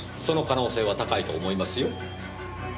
その可能性は高いと思いますよ。